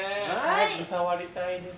触りたいです。